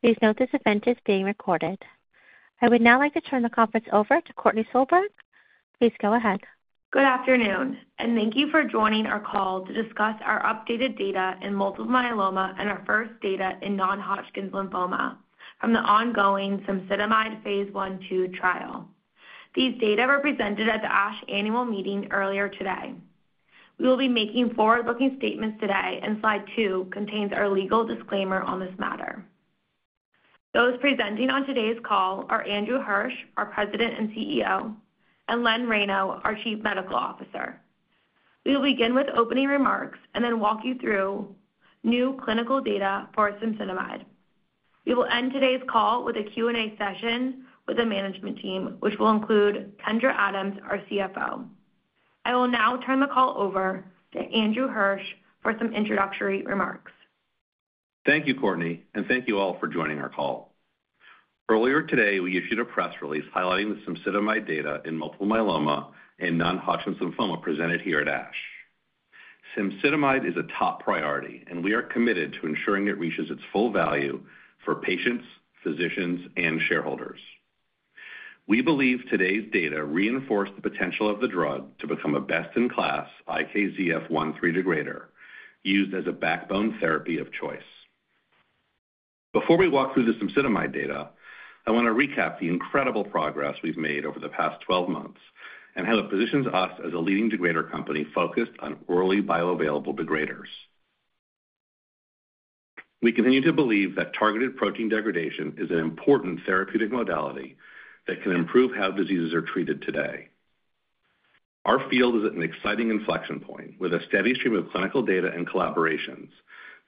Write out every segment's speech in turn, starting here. Please note this event is being recorded. I would now like to turn the conference over to Courtney Solberg. Please go ahead. Good afternoon, and thank you for joining our call to discuss our updated data in multiple myeloma and our first data in non-Hodgkin's lymphoma from the ongoing Cemsidomide phase I-II trial. These data were presented at the ASH annual meeting earlier today. We will be making forward-looking statements today, and slide two contains our legal disclaimer on this matter. Those presenting on today's call are Andrew Hirsch, our President and CEO, and Len Reyno, our Chief Medical Officer. We will begin with opening remarks and then walk you through new clinical data for Cemsidomide. We will end today's call with a Q&A session with the management team, which will include Kendra Adams, our CFO. I will now turn the call over to Andrew Hirsch for some introductory remarks. Thank you, Courtney, and thank you all for joining our call. Earlier today, we issued a press release highlighting the Cemsidomide data in multiple myeloma and non-Hodgkin's lymphoma presented here at ASH. Cemsidomide is a top priority, and we are committed to ensuring it reaches its full value for patients, physicians, and shareholders. We believe today's data reinforce the potential of the drug to become a best-in-class IKZF1/3 degrader used as a backbone therapy of choice. Before we walk through the Cemsidomide data, I want to recap the incredible progress we've made over the past 12 months and how it positions us as a leading degrader company focused on early bioavailable degraders. We continue to believe that targeted protein degradation is an important therapeutic modality that can improve how diseases are treated today. Our field is at an exciting inflection point with a steady stream of clinical data and collaborations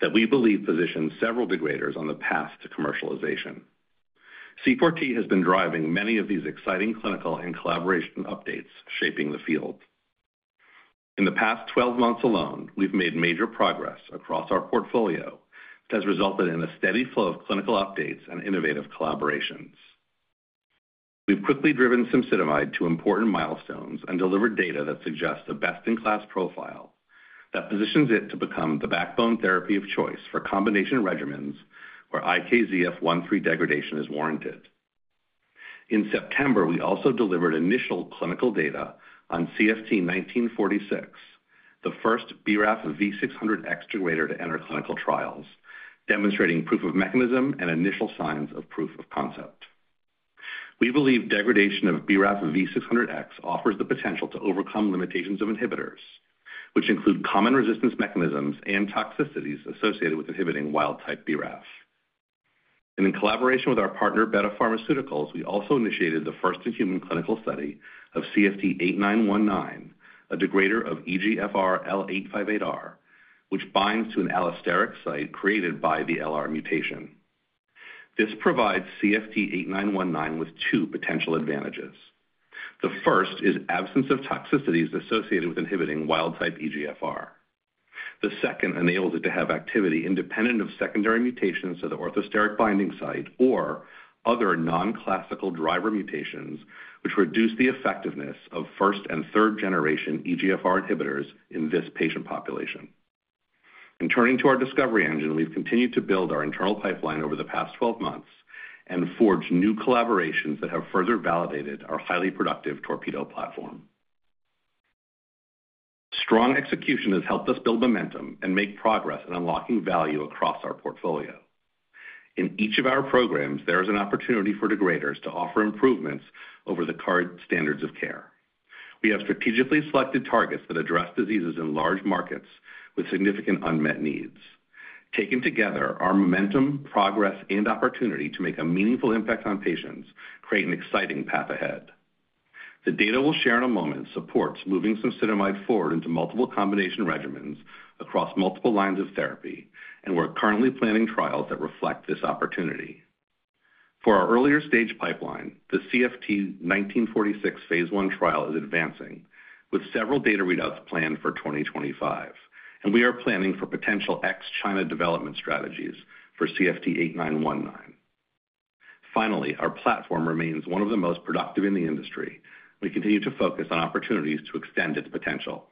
that we believe position several degraders on the path to commercialization. C4T has been driving many of these exciting clinical and collaboration updates shaping the field. In the past 12 months alone, we've made major progress across our portfolio that has resulted in a steady flow of clinical updates and innovative collaborations. We've quickly driven Cemsidomide to important milestones and delivered data that suggests a best-in-class profile that positions it to become the backbone therapy of choice for combination regimens where IKZF1/3 degradation is warranted. In September, we also delivered initial clinical data on CFT1946, the first BRAF V600X degrader to enter clinical trials, demonstrating proof of mechanism and initial signs of proof of concept. We believe degradation of BRAF V600X offers the potential to overcome limitations of inhibitors, which include common resistance mechanisms and toxicities associated with inhibiting wild-type BRAF. And in collaboration with our partner, Beta Pharmaceuticals, we also initiated the first in-human clinical study of CFT8919, a degrader of EGFR L858R, which binds to an allosteric site created by the LR mutation. This provides CFT8919 with two potential advantages. The first is absence of toxicities associated with inhibiting wild-type EGFR. The second enables it to have activity independent of secondary mutations to the orthosteric binding site or other non-classical driver mutations, which reduce the effectiveness of first and third-generation EGFR inhibitors in this patient population. And turning to our discovery engine, we've continued to build our internal pipeline over the past 12 months and forged new collaborations that have further validated our highly productive TORPEDO platform. Strong execution has helped us build momentum and make progress in unlocking value across our portfolio. In each of our programs, there is an opportunity for degraders to offer improvements over the current standards of care. We have strategically selected targets that address diseases in large markets with significant unmet needs. Taken together, our momentum, progress, and opportunity to make a meaningful impact on patients create an exciting path ahead. The data we'll share in a moment supports moving Cemsidomide forward into multiple combination regimens across multiple lines of therapy, and we're currently planning trials that reflect this opportunity. For our earlier stage pipeline, the CFT1946 phase I trial is advancing, with several data readouts planned for 2025, and we are planning for potential ex-China development strategies for CFT8919. Finally, our platform remains one of the most productive in the industry, and we continue to focus on opportunities to extend its potential.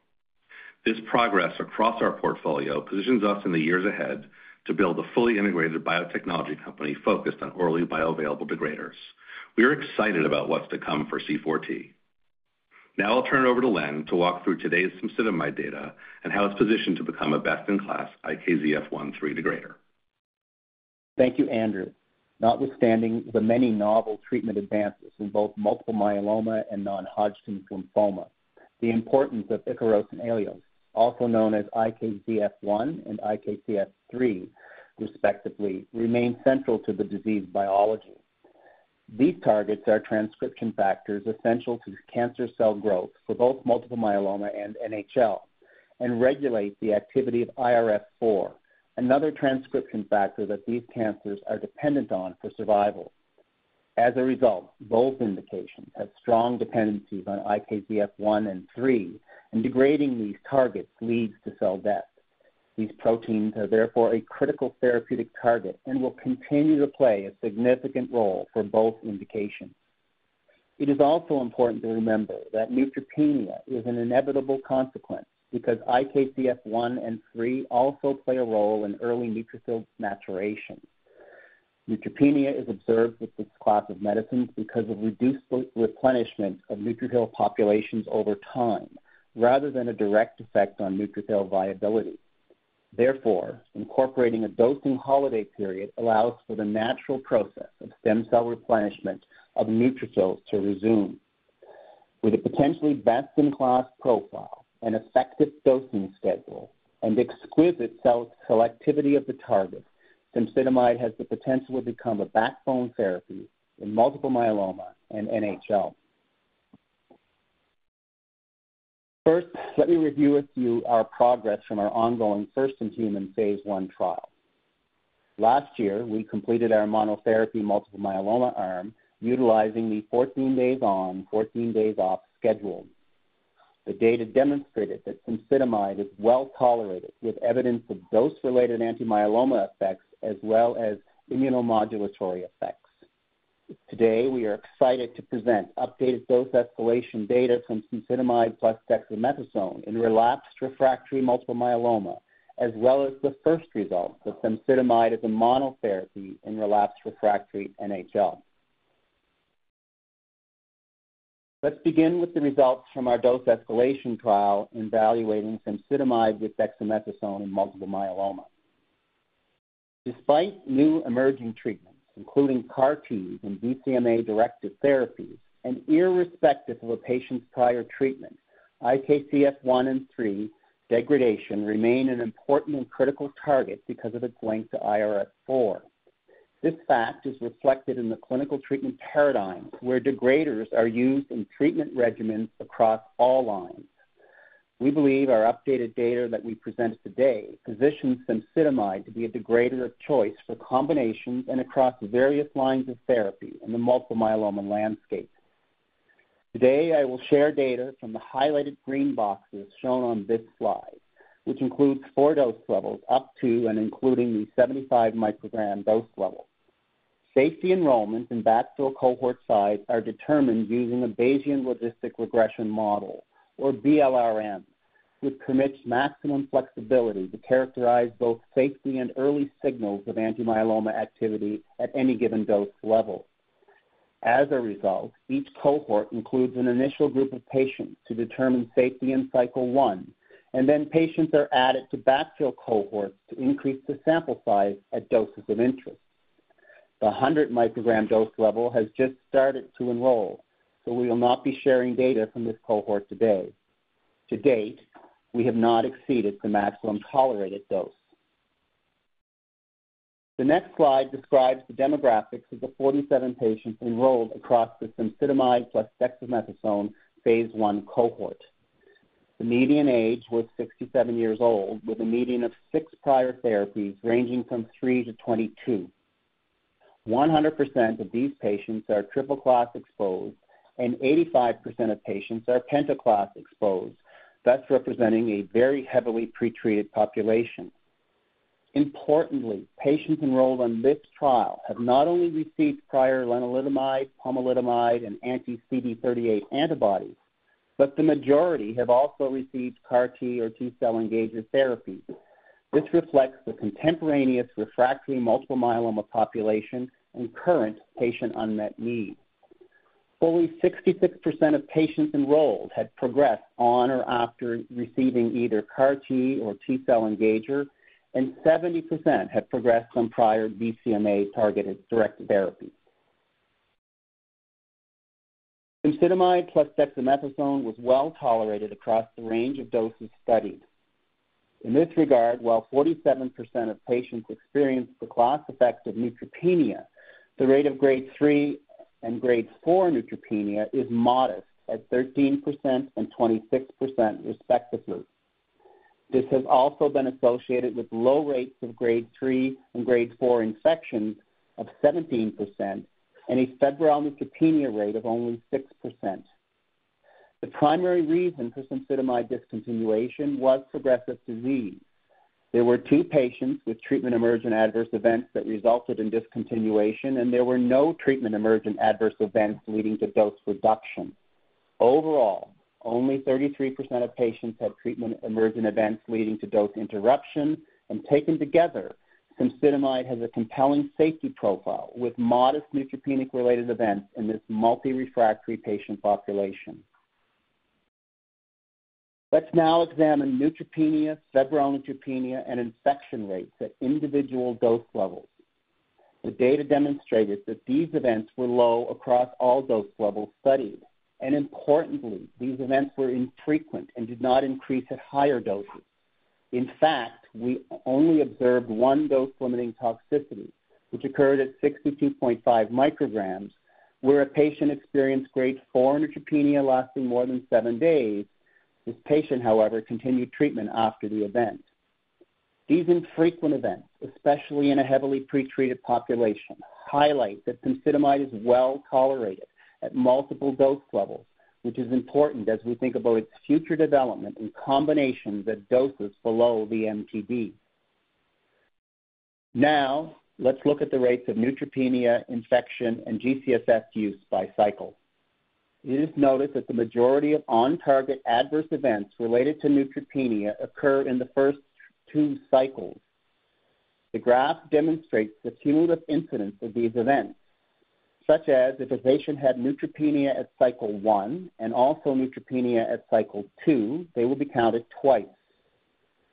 This progress across our portfolio positions us in the years ahead to build a fully integrated biotechnology company focused on early bioavailable degraders. We are excited about what's to come for C4T. Now I'll turn it over to Len to walk through today's Cemsidomide data and how it's positioned to become a best-in-class IKZF1/3 degrader. Thank you, Andrew. Notwithstanding the many novel treatment advances in both multiple myeloma and non-Hodgkin's lymphoma, the importance of Ikaros and Aiolos, also known as IKZF1 and IKZF3 respectively, remains central to the disease biology. These targets are transcription factors essential to cancer cell growth for both multiple myeloma and NHL, and regulate the activity of IRF4, another transcription factor that these cancers are dependent on for survival. As a result, both indications have strong dependencies on IKZF1 and IKZF3, and degrading these targets leads to cell death. These proteins are therefore a critical therapeutic target and will continue to play a significant role for both indications. It is also important to remember that neutropenia is an inevitable consequence because IKZF1 and IKZF3 also play a role in early neutrophil maturation. Neutropenia is observed with this class of medicines because of reduced replenishment of neutrophil populations over time, rather than a direct effect on neutrophil viability. Therefore, incorporating a dosing holiday period allows for the natural process of stem cell replenishment of neutrophils to resume. With a potentially best-in-class profile, an effective dosing schedule, and exquisite cell selectivity of the target, Cemsidomide has the potential to become a backbone therapy in multiple myeloma and NHL. First, let me review with you our progress from our ongoing first-in-human phase I trial. Last year, we completed our monotherapy multiple myeloma arm utilizing the 14 days on, 14 days off schedule. The data demonstrated that Cemsidomide is well tolerated with evidence of dose-related anti-myeloma effects as well as immunomodulatory effects. Today, we are excited to present updated dose escalation data from Cemsidomide plus Dexamethasone in relapsed refractory multiple myeloma, as well as the first results of Cemsidomide as a monotherapy in relapsed refractory NHL. Let's begin with the results from our dose escalation trial evaluating Cemsidomide with Dexamethasone in multiple myeloma. Despite new emerging treatments, including CAR-Ts and BCMA-directed therapies, and irrespective of a patient's prior treatment, IKZF1 and 3 degradation remain an important and critical target because of its link to IRF4. This fact is reflected in the clinical treatment paradigms where degraders are used in treatment regimens across all lines. We believe our updated data that we present today positions Cemsidomide to be a degrader of choice for combinations and across various lines of therapy in the multiple myeloma landscape. Today, I will share data from the highlighted green boxes shown on this slide, which includes four dose levels up to and including the 75-microgram dose level. Safety enrollments in backfill cohort size are determined using a Bayesian logistic regression model, or BLRM, which permits maximum flexibility to characterize both safety and early signals of anti-myeloma activity at any given dose level. As a result, each cohort includes an initial group of patients to determine safety in cycle one, and then patients are added to backfill cohorts to increase the sample size at doses of interest. The 100-microgram dose level has just started to enroll, so we will not be sharing data from this cohort today. To date, we have not exceeded the maximum tolerated dose. The next slide describes the demographics of the 47 patients enrolled across the Cemsidomide plus dexamethasone phase I cohort. The median age was 67 years old, with a median of six prior therapies ranging from three to 22. 100% of these patients are triple-class exposed, and 85% of patients are penta-class exposed, thus representing a very heavily pretreated population. Importantly, patients enrolled on this trial have not only received prior lenalidomide, pomalidomide, and anti-CD38 antibodies, but the majority have also received CAR-T or T-cell engager therapy. This reflects the contemporaneous refractory multiple myeloma population and current patient unmet needs. Only 66% of patients enrolled had progressed on or after receiving either CAR-T or T-cell engager, and 70% had progressed from prior BCMA-targeted direct therapy. Cemsidomide plus dexamethasone was well tolerated across the range of doses studied. In this regard, while 47% of patients experienced the class effect of neutropenia, the rate of grade 3 and grade 4 neutropenia is modest at 13% and 26% respectively. This has also been associated with low rates of grade 3 and grade 4 infections of 17% and a febrile neutropenia rate of only 6%. The primary reason for Cemsidomide discontinuation was progressive disease. There were two patients with treatment-emergent adverse events that resulted in discontinuation, and there were no treatment-emergent adverse events leading to dose reduction. Overall, only 33% of patients had treatment-emergent events leading to dose interruption, and taken together, Cemsidomide has a compelling safety profile with modest neutropenic-related events in this multi-refractory patient population. Let's now examine neutropenia, febrile neutropenia, and infection rates at individual dose levels. The data demonstrated that these events were low across all dose levels studied, and importantly, these events were infrequent and did not increase at higher doses. In fact, we only observed one dose-limiting toxicity, which occurred at 62.5 micrograms, where a patient experienced grade 4 neutropenia lasting more than seven days. This patient, however, continued treatment after the event. These infrequent events, especially in a heavily pretreated population, highlight that Cemsidomide is well tolerated at multiple dose levels, which is important as we think about its future development in combinations at doses below the MTD. Now, let's look at the rates of neutropenia, infection, and G-CSF use by cycle. It is noted that the majority of on-target adverse events related to neutropenia occur in the first two cycles. The graph demonstrates the cumulative incidence of these events. Such as, if a patient had neutropenia at cycle one and also neutropenia at cycle two, they will be counted twice.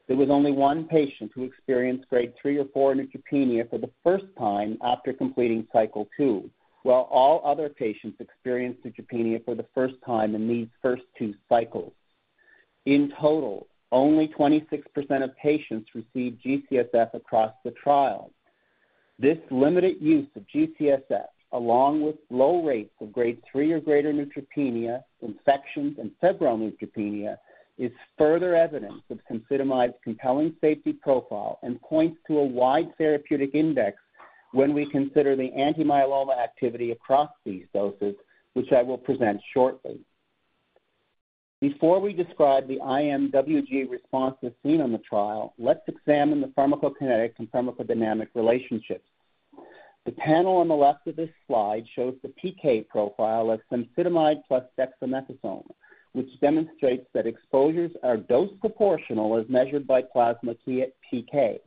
There was only one patient who experienced grade 3 or 4 neutropenia for the first time after completing cycle two, while all other patients experienced neutropenia for the first time in these first two cycles. In total, only 26% of patients received G-CSF across the trial. This limited use of G-CSF, along with low rates of grade 3 or greater neutropenia, infections, and febrile neutropenia, is further evidence of Cemsidomide's compelling safety profile and points to a wide therapeutic index when we consider the anti-myeloma activity across these doses, which I will present shortly. Before we describe the IMWG response seen on the trial, let's examine the pharmacokinetic and pharmacodynamic relationships. The panel on the left of this slide shows the PK profile of Cemsidomide plus dexamethasone, which demonstrates that exposures are dose proportional as measured by plasma PK.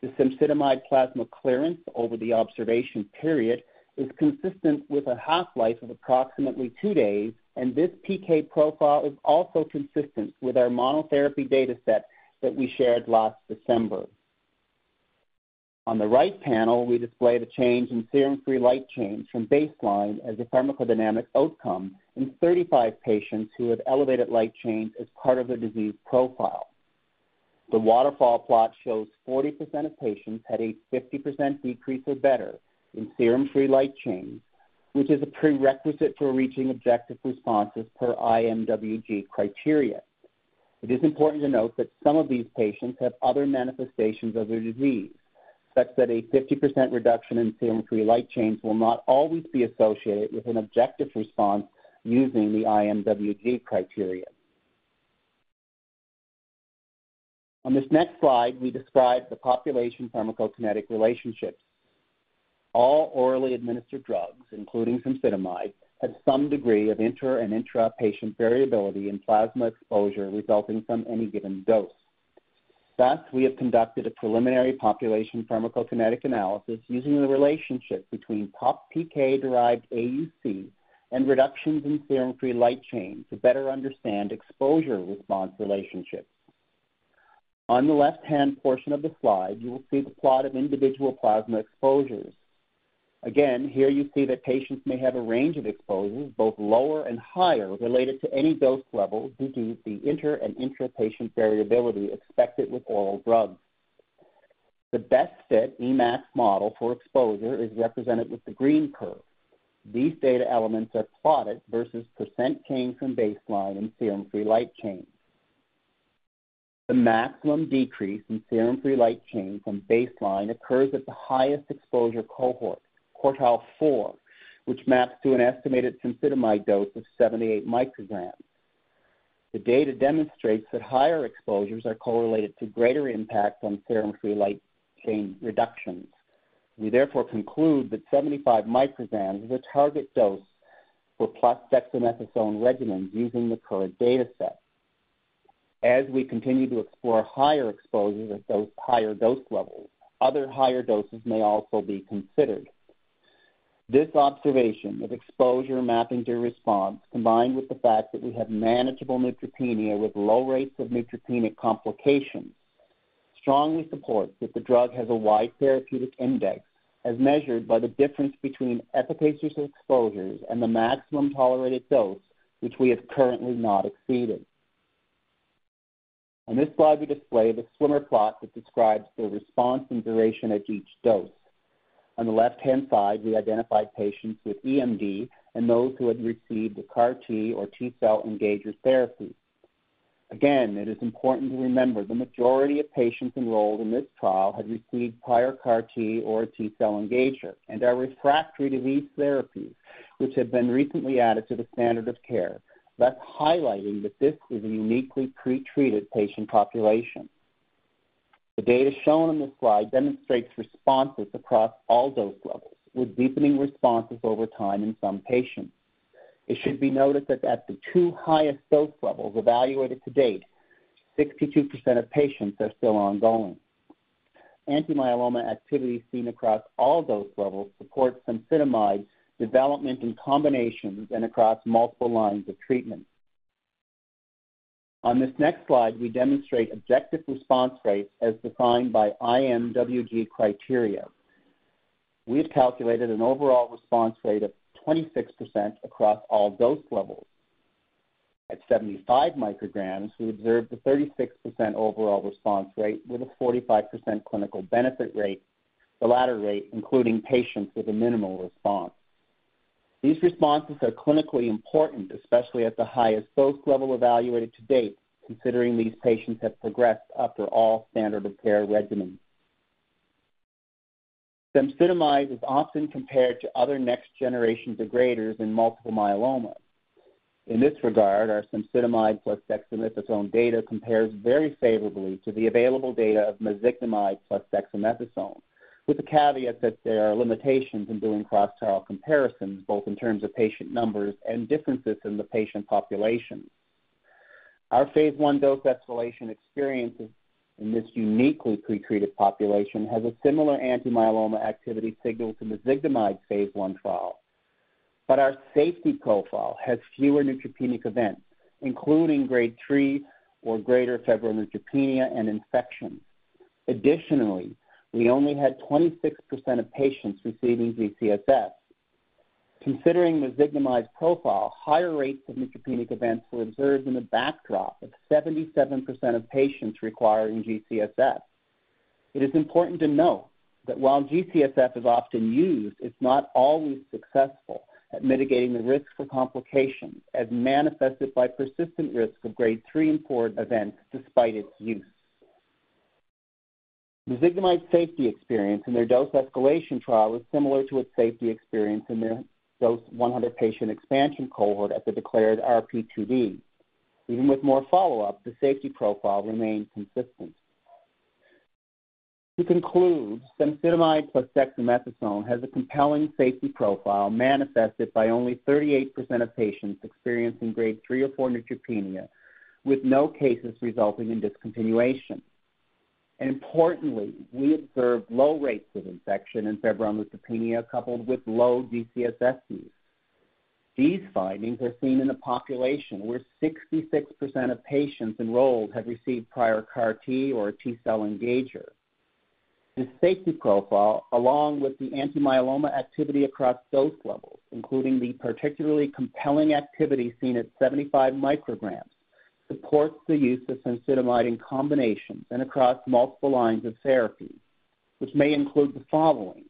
The Cemsidomide plasma clearance over the observation period is consistent with a half-life of approximately two days, and this PK profile is also consistent with our monotherapy data set that we shared last December. On the right panel, we display the change in serum free light chains from baseline as a pharmacodynamic outcome in 35 patients who have elevated light chains as part of the disease profile. The waterfall plot shows 40% of patients had a 50% decrease or better in serum free light chains, which is a prerequisite for reaching objective responses per IMWG criteria. It is important to note that some of these patients have other manifestations of the disease, such that a 50% reduction in serum free light chains will not always be associated with an objective response using the IMWG criteria. On this next slide, we describe the population pharmacokinetic relationships. All orally administered drugs, including Cemsidomide, have some degree of inter- and intrapatient variability in plasma exposure resulting from any given dose. Thus, we have conducted a preliminary population pharmacokinetic analysis using the relationship between PAP-PK-derived AUC and reductions in serum-free light chains to better understand exposure response relationships. On the left-hand portion of the slide, you will see the plot of individual plasma exposures. Again, here you see that patients may have a range of exposures, both lower and higher, related to any dose level due to the inter- and intrapatient variability expected with oral drugs. The best-fit EMAC model for exposure is represented with the green curve. These data elements are plotted versus percent change from baseline in serum-free light chains. The maximum decrease in serum-free light chain from baseline occurs at the highest exposure cohort, quartile four, which maps to an estimated Cemsidomide dose of 78 micrograms. The data demonstrates that higher exposures are correlated to greater impact on serum free light chain reductions. We therefore conclude that 75 micrograms is a target dose for plus dexamethasone regimens using the current data set. As we continue to explore higher exposures at those higher dose levels, other higher doses may also be considered. This observation of exposure mapping to response, combined with the fact that we have manageable neutropenia with low rates of neutropenic complications, strongly supports that the drug has a wide therapeutic index as measured by the difference between efficacious exposures and the maximum tolerated dose, which we have currently not exceeded. On this slide, we display the swimmer plot that describes the response and duration at each dose. On the left-hand side, we identified patients with EMD and those who had received the CAR-T or T-cell engager therapy. Again, it is important to remember the majority of patients enrolled in this trial had received prior CAR-T or T-cell engager and are refractory to these therapies, which have been recently added to the standard of care, thus highlighting that this is a uniquely pretreated patient population. The data shown on this slide demonstrates responses across all dose levels, with deepening responses over time in some patients. It should be noted that at the two highest dose levels evaluated to date, 62% of patients are still ongoing. Anti-myeloma activity seen across all dose levels supports Cemsidomide development in combinations and across multiple lines of treatment. On this next slide, we demonstrate objective response rates as defined by IMWG criteria. We have calculated an overall response rate of 26% across all dose levels. At 75 micrograms, we observed a 36% overall response rate with a 45% clinical benefit rate, the latter rate including patients with a minimal response. These responses are clinically important, especially at the highest dose level evaluated to date, considering these patients have progressed after all standard of care regimens. Cemsidomide is often compared to other next-generation degraders in multiple myeloma. In this regard, our Cemsidomide plus dexamethasone data compares very favorably to the available data of Mezigdomide plus dexamethasone, with the caveat that there are limitations in doing cross-trial comparisons, both in terms of patient numbers and differences in the patient populations. Our phase one dose escalation experiences in this uniquely pretreated population have a similar anti-myeloma activity signal to Mezigdomide phase one trial, but our safety profile has fewer neutropenic events, including grade 3 or greater febrile neutropenia and infection. Additionally, we only had 26% of patients receiving G-CSF. Considering Mezigdomide profile, higher rates of neutropenic events were observed in the backdrop of 77% of patients requiring G-CSF. It is important to note that while G-CSF is often used, it's not always successful at mitigating the risk for complications, as manifested by persistent risk of grade 3 and 4 events despite its use. Mezigdomide safety experience in their dose 100 patient expansion cohort at the declared RP2D is similar to its safety experience in their dose escalation trial. Even with more follow-up, the safety profile remained consistent. To conclude, Cemsidomide plus Dexamethasone has a compelling safety profile manifested by only 38% of patients experiencing grade 3 or 4 neutropenia, with no cases resulting in discontinuation, and importantly, we observed low rates of infection and febrile neutropenia coupled with low G-CSF use. These findings are seen in a population where 66% of patients enrolled have received prior CAR-T or T-cell engager. This safety profile, along with the anti-myeloma activity across dose levels, including the particularly compelling activity seen at 75 micrograms, supports the use of Cemsidomide in combinations and across multiple lines of therapy, which may include the following.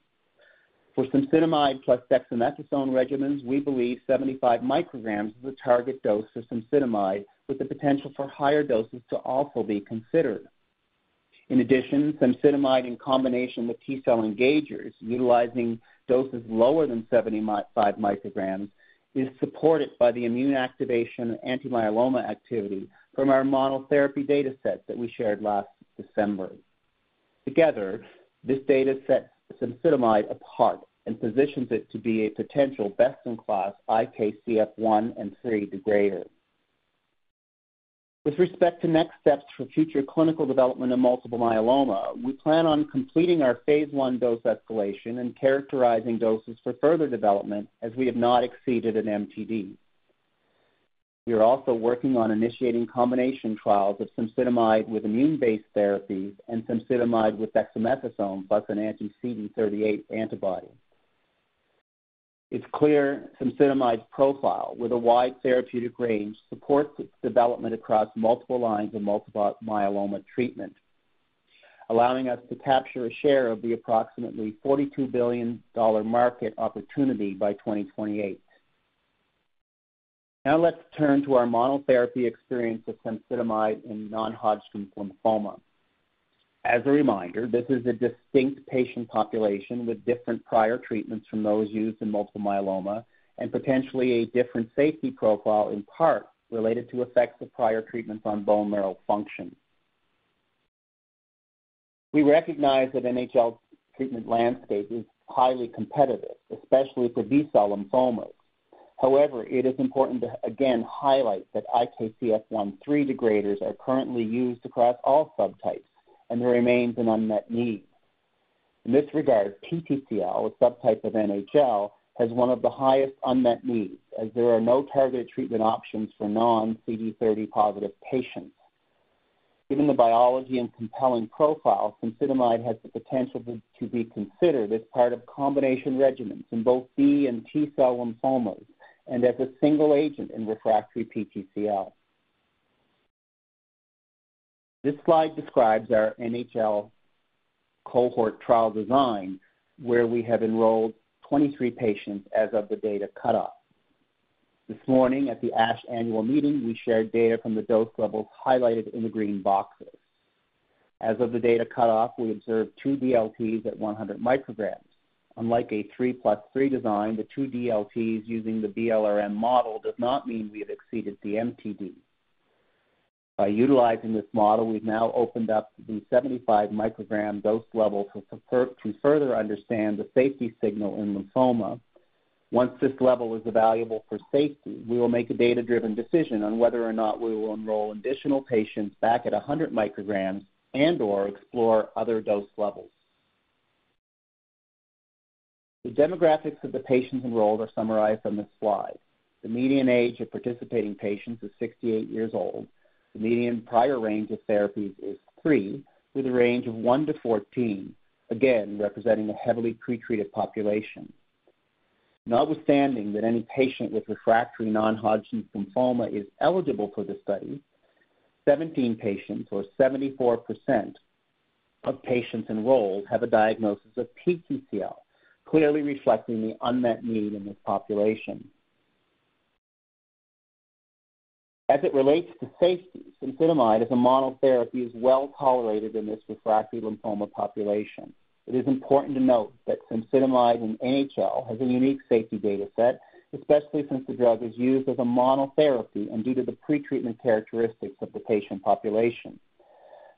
For Cemsidomide plus dexamethasone regimens, we believe 75 micrograms is the target dose for Cemsidomide, with the potential for higher doses to also be considered. In addition, Cemsidomide in combination with T-cell engagers, utilizing doses lower than 75 micrograms, is supported by the immune activation and anti-myeloma activity from our monotherapy data set that we shared last December. Together, this data sets Cemsidomide apart and positions it to be a potential best-in-class IKZF1 and IKZF3 degrader. With respect to next steps for future clinical development of multiple myeloma, we plan on completing our phase 1 dose escalation and characterizing doses for further development as we have not exceeded an MTD. We are also working on initiating combination trials of Cemsidomide with immune-based therapies and Cemsidomide with dexamethasone plus an anti-CD38 antibody. It's clear Cemsidomide's profile, with a wide therapeutic range, supports its development across multiple lines of multiple myeloma treatment, allowing us to capture a share of the approximately $42 billion market opportunity by 2028. Now let's turn to our monotherapy experience of Cemsidomide in non-Hodgkin's lymphoma. As a reminder, this is a distinct patient population with different prior treatments from those used in multiple myeloma and potentially a different safety profile, in part related to effects of prior treatments on bone marrow function. We recognize that NHL's treatment landscape is highly competitive, especially for B-cell lymphomas. However, it is important to again highlight that IKZF1/3 degraders are currently used across all subtypes, and there remains an unmet need. In this regard, PTCL, a subtype of NHL, has one of the highest unmet needs, as there are no targeted treatment options for non-CD30 positive patients. Given the biology and compelling profile, Cemsidomide has the potential to be considered as part of combination regimens in both B and T-cell lymphomas and as a single agent in refractory PTCL. This slide describes our NHL cohort trial design, where we have enrolled 23 patients as of the data cutoff. This morning, at the ASH annual meeting, we shared data from the dose levels highlighted in the green boxes. As of the data cutoff, we observed two DLTs at 100 micrograms. Unlike a 3 plus 3 design, the two DLTs using the BLRM model does not mean we have exceeded the MTD. By utilizing this model, we've now opened up the 75 microgram dose level to further understand the safety signal in lymphoma. Once this level is available for safety, we will make a data-driven decision on whether or not we will enroll additional patients back at 100 micrograms and/or explore other dose levels. The demographics of the patients enrolled are summarized on this slide. The median age of participating patients is 68 years old. The median prior range of therapies is three, with a range of one to 14, again representing a heavily pretreated population. Notwithstanding that any patient with refractory non-Hodgkin's lymphoma is eligible for the study, 17 patients, or 74% of patients enrolled, have a diagnosis of PTCL, clearly reflecting the unmet need in this population. As it relates to safety, Cemsidmide as a monotherapy is well tolerated in this refractory lymphoma population. It is important to note that Cemsidomide in NHL has a unique safety data set, especially since the drug is used as a monotherapy and due to the pretreatment characteristics of the patient population.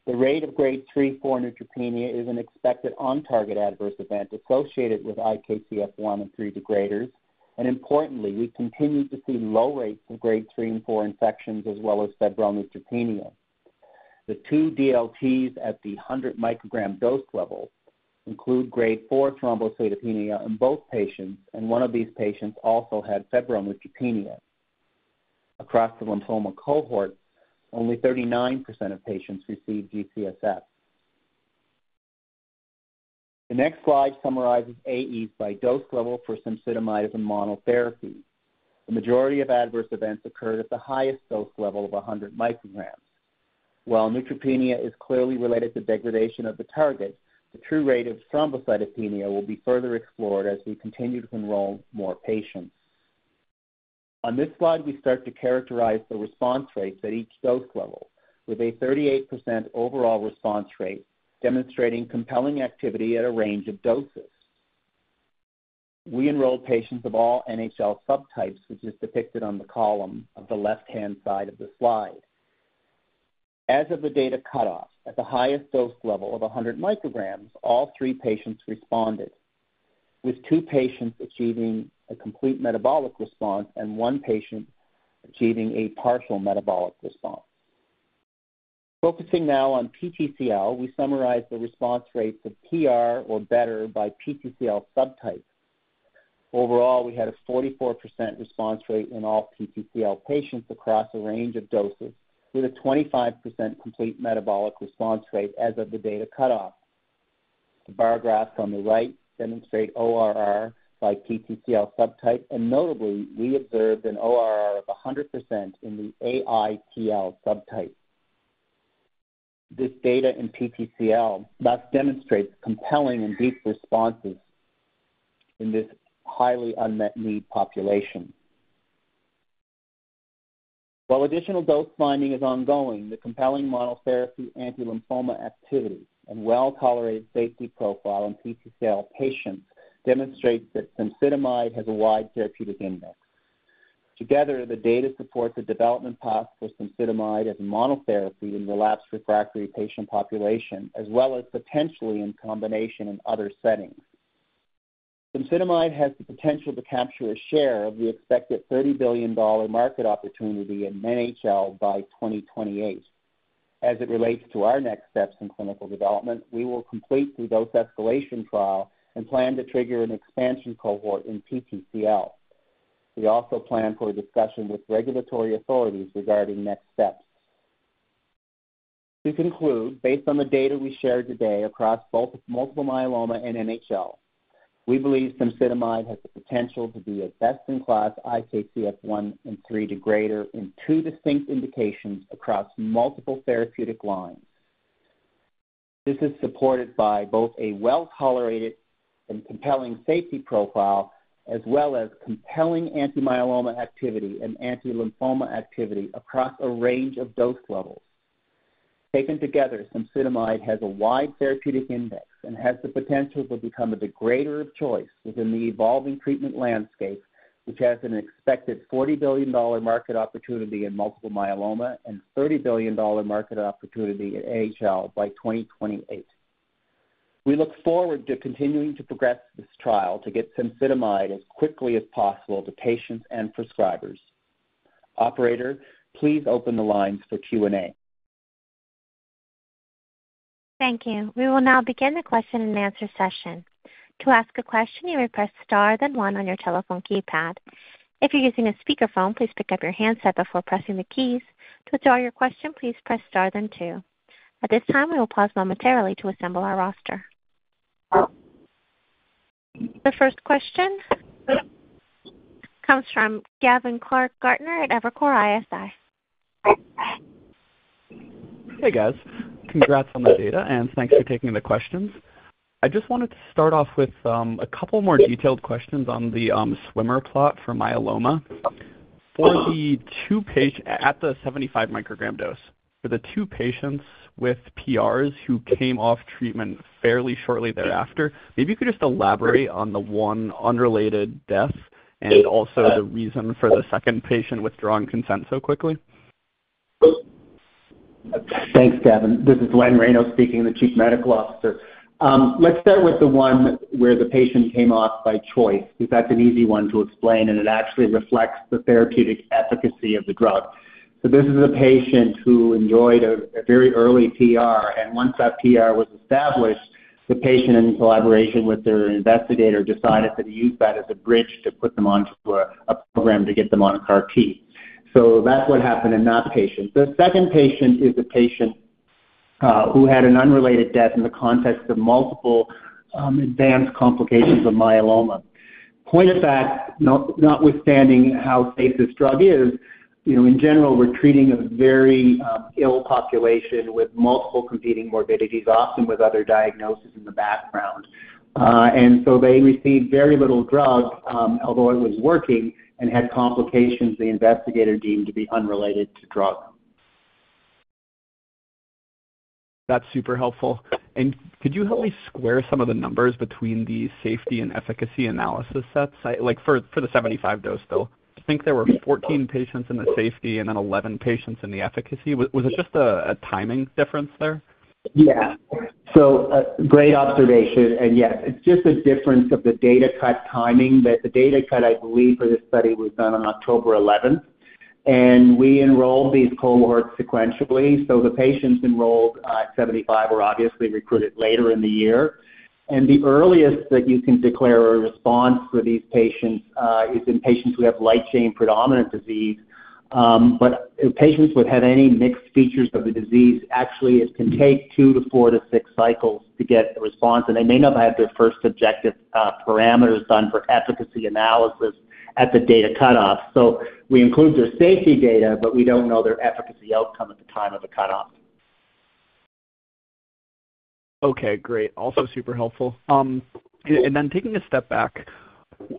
The rate of grade 3/4 neutropenia is an expected on-target adverse event associated with IKZF1 and 3 degraders, and importantly, we continue to see low rates of grade 3 and 4 infections as well as febrile neutropenia. The two DLTs at the 100 microgram dose level include grade 4 thrombocytopenia in both patients, and one of these patients also had febrile neutropenia. Across the lymphoma cohort, only 39% of patients received GCSF. The next slide summarizes AEs by dose level for Cemsidomide as a monotherapy. The majority of adverse events occurred at the highest dose level of 100 micrograms. While neutropenia is clearly related to degradation of the target, the true rate of thrombocytopenia will be further explored as we continue to enroll more patients. On this slide, we start to characterize the response rates at each dose level, with a 38% overall response rate demonstrating compelling activity at a range of doses. We enrolled patients of all NHL subtypes, which is depicted on the column of the left-hand side of the slide. As of the data cutoff, at the highest dose level of 100 micrograms, all three patients responded, with two patients achieving a complete metabolic response and one patient achieving a partial metabolic response. Focusing now on PTCL, we summarize the response rates of PR or better by PTCL subtype. Overall, we had a 44% response rate in all PTCL patients across a range of doses, with a 25% complete metabolic response rate as of the data cutoff. The bar graphs on the right demonstrate ORR by PTCL subtype, and notably, we observed an ORR of 100% in the AITL subtype. This data in PTCL thus demonstrates compelling and deep responses in this highly unmet need population. While additional dose finding is ongoing, the compelling monotherapy anti-lymphoma activity and well-tolerated safety profile in PTCL patients demonstrate that Cemsidomide has a wide therapeutic index. Together, the data supports a development path for Cemsidomide as a monotherapy in relapsed refractory patient population, as well as potentially in combination in other settings. Cemsidomide has the potential to capture a share of the expected $30 billion market opportunity in NHL by 2028. As it relates to our next steps in clinical development, we will complete the dose escalation trial and plan to trigger an expansion cohort in PTCL. We also plan for a discussion with regulatory authorities regarding next steps. To conclude, based on the data we shared today across both multiple myeloma and NHL, we believe Cemsidomide has the potential to be a best-in-class IKZF1 and 3 degrader in two distinct indications across multiple therapeutic lines. This is supported by both a well-tolerated and compelling safety profile, as well as compelling anti-myeloma activity and anti-lymphoma activity across a range of dose levels. Taken together, Cemsidomide has a wide therapeutic index and has the potential to become a degrader of choice within the evolving treatment landscape, which has an expected $40 billion market opportunity in multiple myeloma and $30 billion market opportunity in NHL by 2028. We look forward to continuing to progress this trial to get Cemsidomide as quickly as possible to patients and prescribers. Operator, please open the lines for Q&A. Thank you. We will now begin the question and answer session. To ask a question, you may press star then one on your telephone keypad. If you're using a speakerphone, please pick up your handset before pressing the keys. To withdraw your question, please press star then two. At this time, we will pause momentarily to assemble our roster. The first question comes from Gavin Clark-Gartner at Evercore ISI. Hey, guys. Congrats on the data, and thanks for taking the questions. I just wanted to start off with a couple more detailed questions on the swimmer plot for myeloma. For the two patients at the 75 microgram dose, for the two patients with PRs who came off treatment fairly shortly thereafter, maybe you could just elaborate on the one unrelated death and also the reason for the second patient withdrawing consent so quickly? Thanks, Gavin. This is Len Reyno speaking, the Chief Medical Officer. Let's start with the one where the patient came off by choice, because that's an easy one to explain, and it actually reflects the therapeutic efficacy of the drug. So this is a patient who enjoyed a very early PR, and once that PR was established, the patient, in collaboration with their investigator, decided to use that as a bridge to put them onto a program to get them on a CAR-T. So that's what happened in that patient. The second patient is a patient who had an unrelated death in the context of multiple advanced complications of myeloma. Point of fact, notwithstanding how safe this drug is, in general, we're treating a very ill population with multiple competing morbidities, often with other diagnoses in the background. And so they received very little drug, although it was working, and had complications the investigator deemed to be unrelated to drug. That's super helpful. And could you help me square some of the numbers between the safety and efficacy analysis sets? For the 75 dose, though, I think there were 14 patients in the safety and then 11 patients in the efficacy. Was it just a timing difference there? Yeah. So great observation. And yes, it's just a difference of the data cut timing. The data cutoff, I believe, for this study was done on October 11th, and we enrolled these cohorts sequentially. The patients enrolled at 75 were obviously recruited later in the year. The earliest that you can declare a response for these patients is in patients who have light chain predominant disease. Patients with any mixed features of the disease, actually, it can take two to four to six cycles to get a response, and they may not have had their first objective parameters done for efficacy analysis at the data cutoff. We include their safety data, but we don't know their efficacy outcome at the time of the cutoff. Okay. Great. Also super helpful. Taking a step back,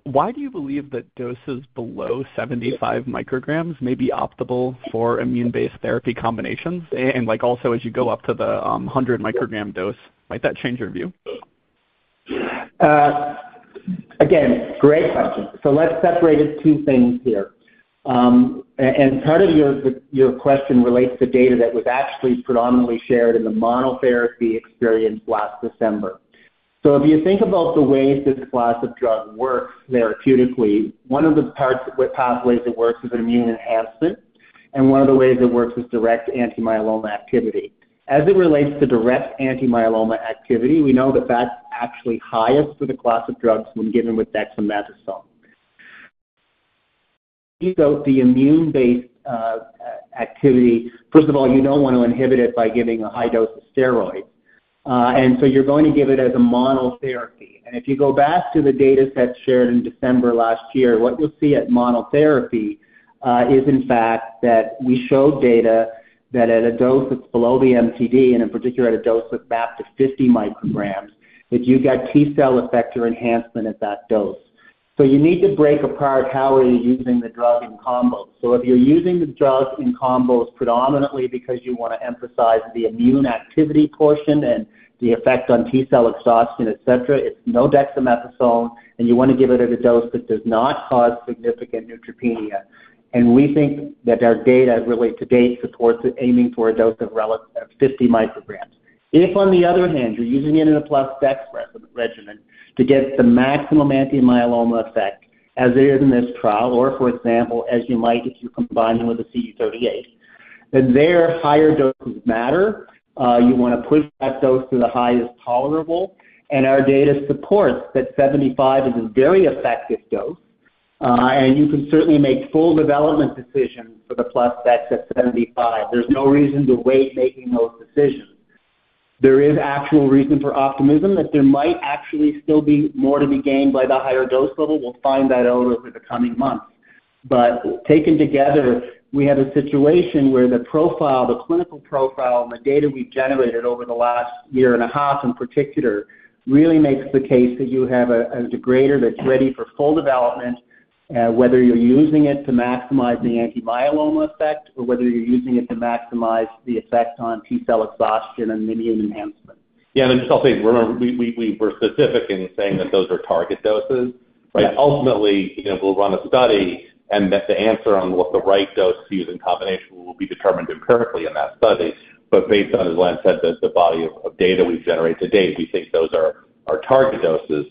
why do you believe that doses below 75 micrograms may be optimal for immune-based therapy combinations? And also, as you go up to the 100 microgram dose, might that change your view? Again, great question. So let's separate it two things here. And part of your question relates to data that was actually predominantly shared in the monotherapy experience last December. So if you think about the ways this class of drug works therapeutically, one of the pathways it works is immune enhancement, and one of the ways it works is direct anti-myeloma activity. As it relates to direct anti-myeloma activity, we know that that's actually highest for the class of drugs when given with dexamethasone. So the immune-based activity, first of all, you don't want to inhibit it by giving a high dose of steroids. And so you're going to give it as a monotherapy. And if you go back to the data set shared in December last year, what you'll see at monotherapy is, in fact, that we showed data that at a dose that's below the MTD, and in particular, at a dose that's mapped to 50 micrograms, that you get T-cell effector enhancement at that dose. So you need to break apart how are you using the drug in combos. So if you're using the drug in combos predominantly because you want to emphasize the immune activity portion and the effect on T-cell exhaustion, etc., it's no dexamethasone, and you want to give it at a dose that does not cause significant neutropenia. And we think that our data really to date supports aiming for a dose of 50 micrograms. If, on the other hand, you're using it in a plus dex regimen to get the maximum anti-myeloma effect as it is in this trial, or, for example, as you might if you're combining with a CD38, then there, higher doses matter. You want to push that dose to the highest tolerable, and our data supports that 75 is a very effective dose. And you can certainly make full development decisions for the plus dex at 75. There's no reason to wait making those decisions. There is actual reason for optimism that there might actually still be more to be gained by the higher dose level. We'll find that out over the coming months. Taken together, we have a situation where the profile, the clinical profile, and the data we've generated over the last year and a half in particular really makes the case that you have a degrader that's ready for full development, whether you're using it to maximize the anti-myeloma effect or whether you're using it to maximize the effect on T-cell exhaustion and immune enhancement. Yeah. Then just I'll say, remember, we were specific in saying that those are target doses. Ultimately, we'll run a study, and the answer on what the right dose to use in combination will be determined empirically in that study. But based on, as Len said, the body of data we've generated to date, we think those are target doses.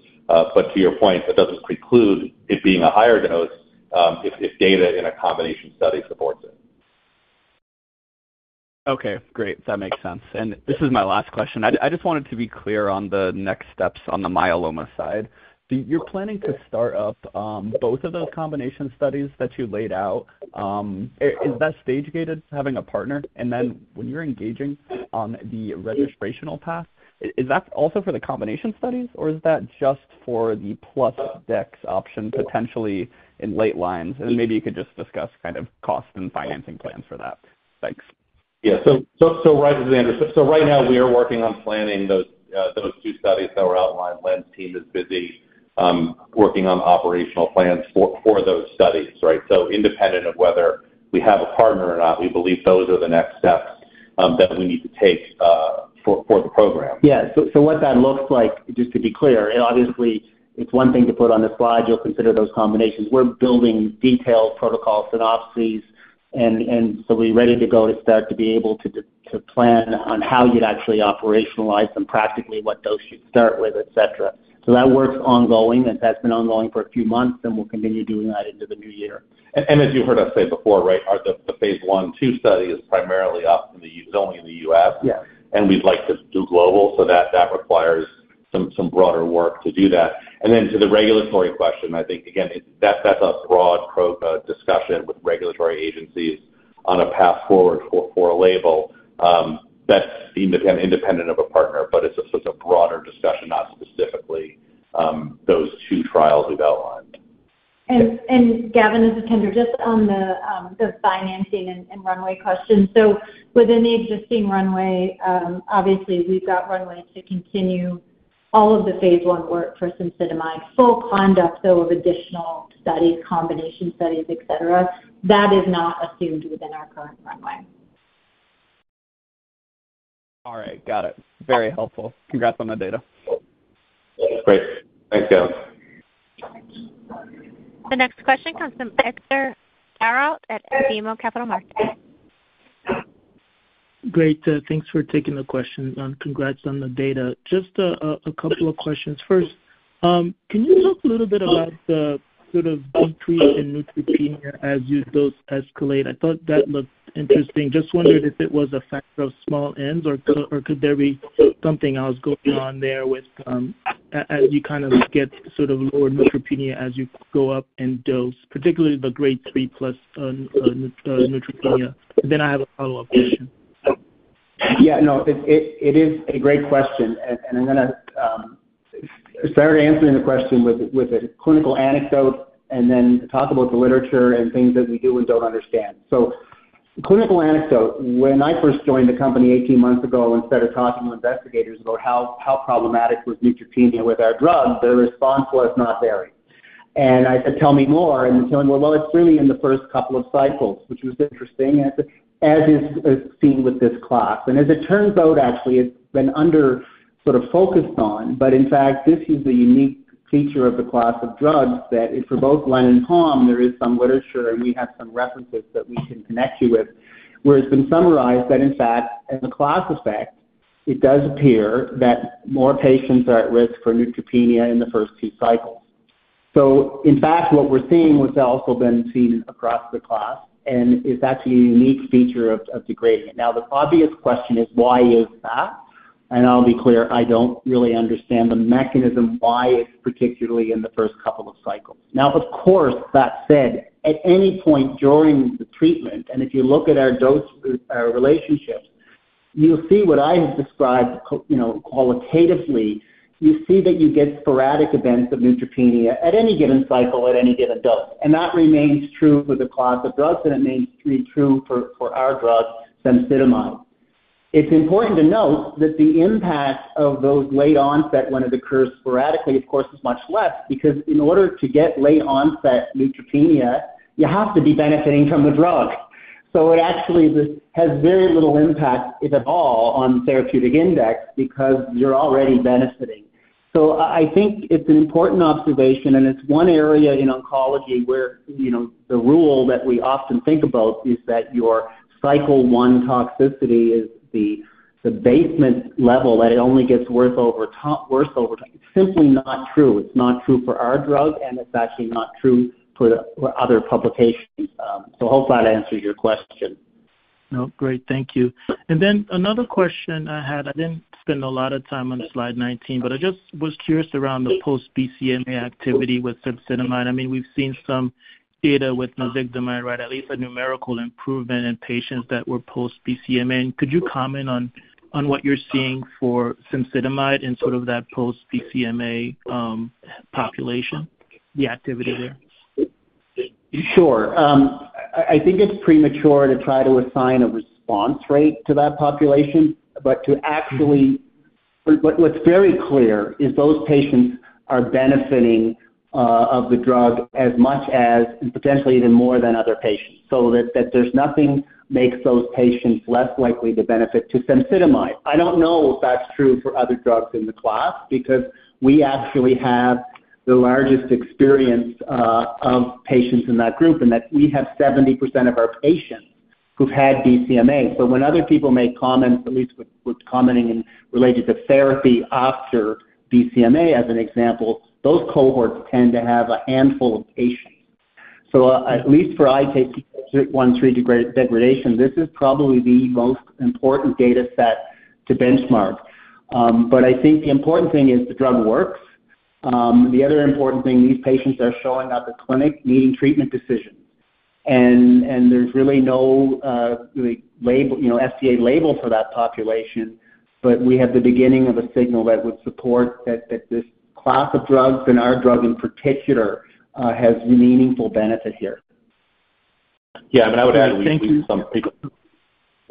But to your point, that doesn't preclude it being a higher dose if data in a combination study supports it. Okay. Great. That makes sense. And this is my last question. I just wanted to be clear on the next steps on the myeloma side. So you're planning to start up both of those combination studies that you laid out. Is that stage-gated, having a partner? And then when you're engaging on the registrational path, is that also for the combination studies, or is that just for the plus dex option potentially in late lines? And then maybe you could just discuss kind of cost and financing plans for that. Thanks. Yeah. So right as we understood, so right now, we are working on planning those two studies that were outlined. Len's team is busy working on operational plans for those studies, right? So independent of whether we have a partner or not, we believe those are the next steps that we need to take for the program. Yeah. What that looks like, just to be clear, obviously, it's one thing to put on the slide. You'll consider those combinations. We're building detailed protocol synopses, and so we're ready to go to start to be able to plan on how you'd actually operationalize them practically, what dose you'd start with, etc. So that works ongoing. That's been ongoing for a few months, and we'll continue doing that into the new year. As you heard us say before, right, the phase 1/2 study is primarily up in the US, only in the US, and we'd like to do global. So that requires some broader work to do that. And then to the regulatory question, I think, again, that's a broad discussion with regulatory agencies on a path forward for a label that's independent of a partner, but it's a broader discussion, not specifically those two trials we've outlined. And Gavin is attending just on the financing and runway question. So within the existing runway, obviously, we've got runway to continue all of the phase one work for Semzidamide. Full conduct, though, of additional studies, combination studies, etc., that is not assumed within our current runway. All right. Got it. Very helpful. Congrats on the data. Great. Thanks, Gavin. The next question comes from Etzer Darout at BMO Capital Markets. Great. Thanks for taking the question. Congrats on the data. Just a couple of questions. First, can you talk a little bit about the sort of increase in neutropenia as your dose escalate? I thought that looked interesting. Just wondered if it was a factor of small ends, or could there be something else going on there as you kind of get sort of lower neutropenia as you go up in dose, particularly the grade 3 plus neutropenia? Then I have a follow-up question. Yeah. No, it is a great question. And I'm going to start answering the question with a clinical anecdote and then talk about the literature and things that we do and don't understand. So clinical anecdote, when I first joined the company 18 months ago and started talking to investigators about how problematic was neutropenia with our drug, the response was not very. And I said, "Tell me more." And they told me, "Well, it's really in the first couple of cycles," which was interesting, as is seen with this class. And as it turns out, actually, it's been under sort of focused on. But in fact, this is the unique feature of the class of drugs that for both Len and Tom, there is some literature, and we have some references that we can connect you with, where it's been summarized that, in fact, as a class effect, it does appear that more patients are at risk for neutropenia in the first two cycles. So in fact, what we're seeing was also been seen across the class, and it's actually a unique feature of degraders. Now, the obvious question is, why is that? And I'll be clear, I don't really understand the mechanism why it's particularly in the first couple of cycles. Now, of course, that said, at any point during the treatment, and if you look at our dose relationships, you'll see what I have described qualitatively. You see that you get sporadic events of neutropenia at any given cycle, at any given dose, and that remains true for the class of drugs, and it remains true for our drug, Semzidamide. It's important to note that the impact of those late onset, when it occurs sporadically, of course, is much less, because in order to get late onset neutropenia, you have to be benefiting from the drug, so it actually has very little impact, if at all, on the therapeutic index because you're already benefiting, so I think it's an important observation, and it's one area in oncology where the rule that we often think about is that your cycle one toxicity is the baseline level that it only gets worse over time. It's simply not true. It's not true for our drug, and it's actually not true for other publications, so hopefully, that answers your question. No, great. Thank you. And then another question I had, I didn't spend a lot of time on slide 19, but I just was curious around the post-BCMA activity with Semzidamide. I mean, we've seen some data with Navigdomide, right, at least a numerical improvement in patients that were post-BCMA. And could you comment on what you're seeing for Semzidamide in sort of that post-BCMA population, the activity there? Sure. I think it's premature to try to assign a response rate to that population. But what's very clear is those patients are benefiting of the drug as much as, and potentially even more than other patients. So that there's nothing that makes those patients less likely to benefit to Semzidamide. I don't know if that's true for other drugs in the class because we actually have the largest experience of patients in that group, and we have 70% of our patients who've had BCMA. So when other people make comments, at least with commenting related to therapy after BCMA, as an example, those cohorts tend to have a handful of patients. So at least for IKZF1/3 degradation, this is probably the most important data set to benchmark. But I think the important thing is the drug works. The other important thing, these patients are showing up at clinic needing treatment decisions. And there's really no FDA label for that population, but we have the beginning of a signal that would support that this class of drugs and our drug in particular has meaningful benefit here. Yeah. I mean, I would add we do some people. I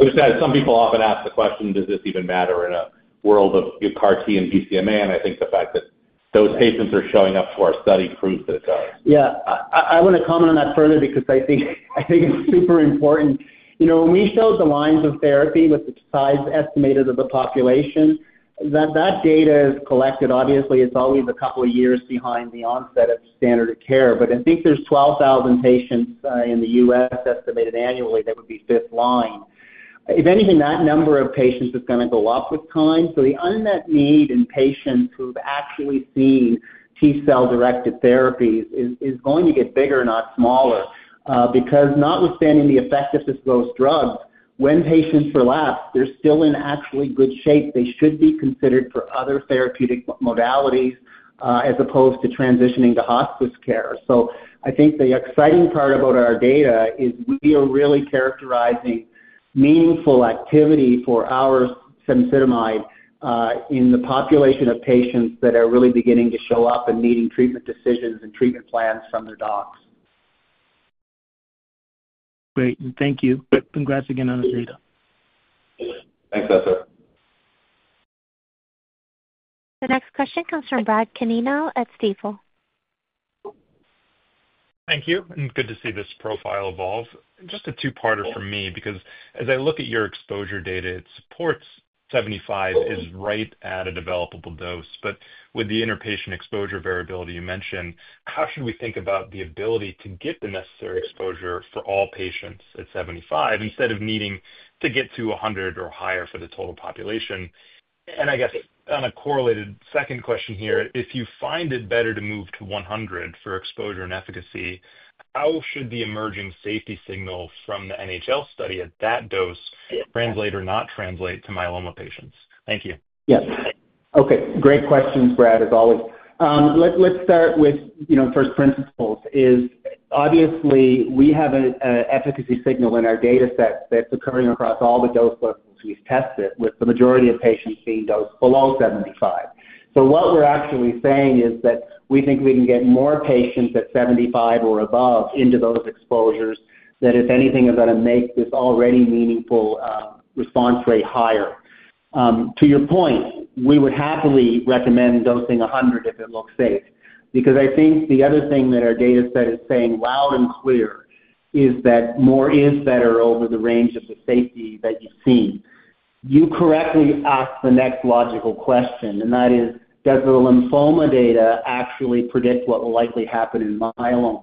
was going to say some people often ask the question, does this even matter in a world of CAR-T and BCMA? And I think the fact that those patients are showing up for our study proves that it does. Yeah. I want to comment on that further because I think it's super important. When we showed the lines of therapy with the size estimated of the population, that data is collected, obviously, it's always a couple of years behind the onset of standard of care. But I think there's 12,000 patients in the U.S. estimated annually that would be fifth line. If anything, that number of patients is going to go up with time. So the unmet need in patients who've actually seen T-cell directed therapies is going to get bigger, not smaller, because notwithstanding the effectiveness of those drugs, when patients relapse, they're still in actually good shape. They should be considered for other therapeutic modalities as opposed to transitioning to hospice care. So I think the exciting part about our data is we are really characterizing meaningful activity for our Semzidamide in the population of patients that are really beginning to show up and needing treatment decisions and treatment plans from their docs. Great. Thank you. Congrats again on the data. Thanks, Edgar. The next question comes from Brad Canino at Stifel. Thank you. And good to see this profile evolve. Just a two-parter from me because as I look at your exposure data, it supports 75 is right at a developable dose. But with the inter-patient exposure variability you mentioned, how should we think about the ability to get the necessary exposure for all patients at 75 instead of needing to get to 100 or higher for the total population? And I guess on a correlated second question here, if you find it better to move to 100 for exposure and efficacy, how should the emerging safety signal from the NHL study at that dose translate or not translate to myeloma patients? Thank you. Yes. Okay. Great questions, Brad, as always. Let's start with first principles. Obviously, we have an efficacy signal in our data set that's occurring across all the dose levels we've tested with the majority of patients being dosed below 75. So what we're actually saying is that we think we can get more patients at 75 or above into those exposures that, if anything, are going to make this already meaningful response rate higher. To your point, we would happily recommend dosing 100 if it looks safe because I think the other thing that our data set is saying loud and clear is that more is better over the range of the safety that you've seen. You correctly asked the next logical question, and that is, does the lymphoma data actually predict what will likely happen in myeloma?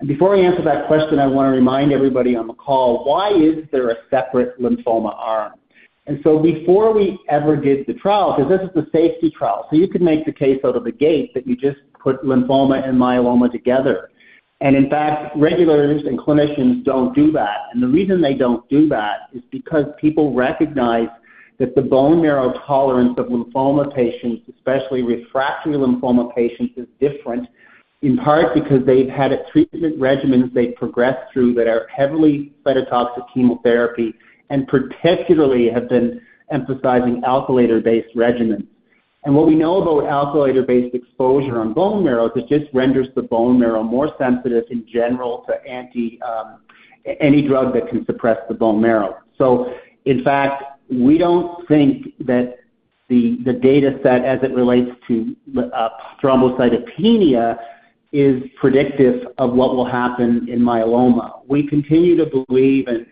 And before I answer that question, I want to remind everybody on the call, why is there a separate lymphoma arm? And so before we ever did the trial, because this is the safety trial, so you could make the case out of the gate that you just put lymphoma and myeloma together. And in fact, regulators and clinicians don't do that. The reason they don't do that is because people recognize that the bone marrow tolerance of lymphoma patients, especially refractory lymphoma patients, is different in part because they've had treatment regimens they've progressed through that are heavily cytotoxic chemotherapy and particularly have been emphasizing alkylator-based regimens. What we know about alkylator-based exposure on bone marrow is it just renders the bone marrow more sensitive in general to any drug that can suppress the bone marrow. In fact, we don't think that the data set as it relates to thrombocytopenia is predictive of what will happen in myeloma. We continue to believe, and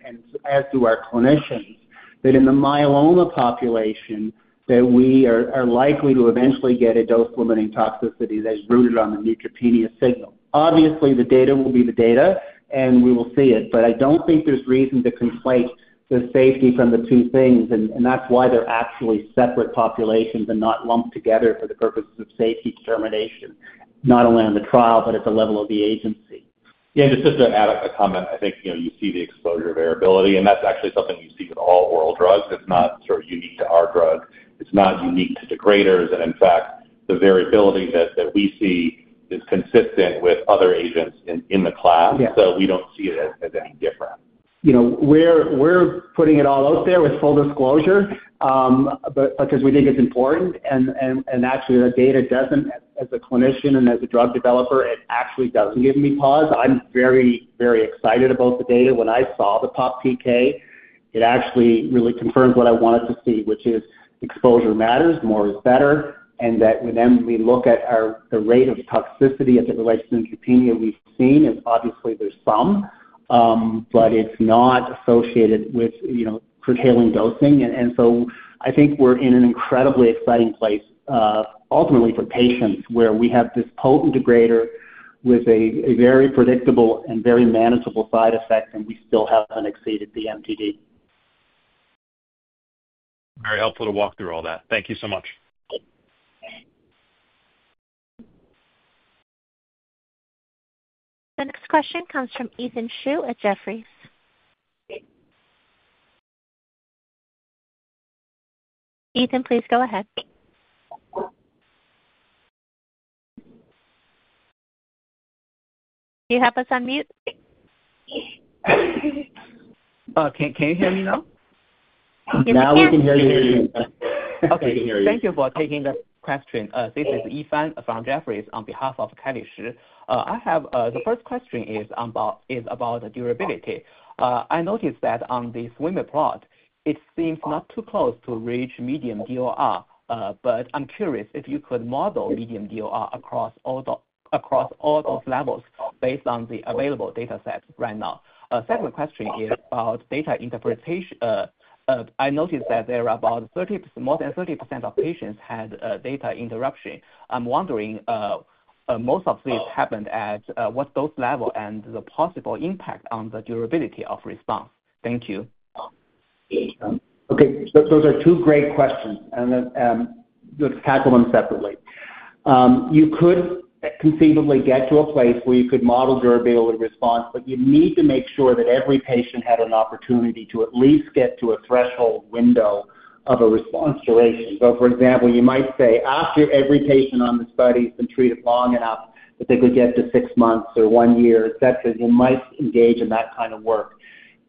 as do our clinicians, that in the myeloma population that we are likely to eventually get a dose-limiting toxicity that is rooted on the neutropenia signal. Obviously, the data will be the data, and we will see it. But I don't think there's reason to conflate the safety from the two things, and that's why they're actually separate populations and not lumped together for the purposes of safety determination, not only on the trial, but at the level of the agency. Yeah. Just to add a comment, I think you see the exposure variability, and that's actually something you see with all oral drugs. It's not sort of unique to our drug. It's not unique to degraders. And in fact, the variability that we see is consistent with other agents in the class. So we don't see it as any different. We're putting it all out there with full disclosure because we think it's important. And actually, the data doesn't, as a clinician and as a drug developer, it actually doesn't give me pause. I'm very, very excited about the data. When I saw the PopPK, it actually really confirmed what I wanted to see, which is exposure matters, more is better, and that when we look at the rate of toxicity as it relates to neutropenia, we've seen is obviously there's some, but it's not associated with curtailing dosing. And so I think we're in an incredibly exciting place, ultimately, for patients where we have this potent degrader with a very predictable and very manageable side effect, and we still haven't exceeded the MTD. Very helpful to walk through all that. Thank you so much. The next question comes from Yinfa Xu at Jefferies. Ethan, please go ahead. Do you have us on mute? Can you hear me now? Now we can hear you. Okay. We can hear you. Thank you for taking the question. This is Yifan from Jefferies on behalf of Akash. I have the first question is about durability. I noticed that on the swimmer plot, it seems not too close to reach median DOR, but I'm curious if you could model median DOR across all those levels based on the available data set right now. Second question is about data interpretation. I noticed that there are about more than 30% of patients had data interruption. I'm wondering, most of this happened at what dose level and the possible impact on the durability of response? Thank you. Okay. Those are two great questions, and let's tackle them separately. You could conceivably get to a place where you could model durability response, but you need to make sure that every patient had an opportunity to at least get to a threshold window of a response duration. For example, you might say after every patient on the study has been treated long enough that they could get to six months or one year, etc., you might engage in that kind of work.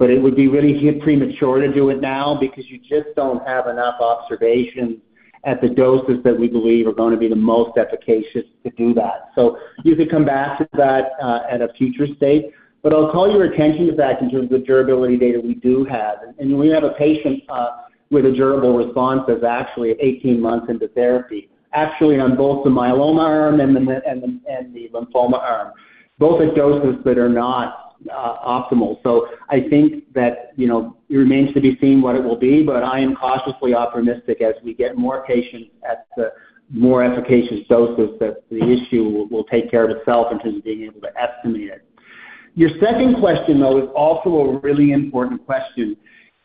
It would be really premature to do it now because you just don't have enough observations at the doses that we believe are going to be the most efficacious to do that. You could come back to that at a future state. I'll call your attention to that in terms of the durability data we do have. We have a patient with a durable response that's actually 18 months into therapy, actually on both the myeloma arm and the lymphoma arm, both at doses that are not optimal. I think that it remains to be seen what it will be, but I am cautiously optimistic as we get more patients at the more efficacious doses that the issue will take care of itself in terms of being able to estimate it. Your second question, though, is also a really important question.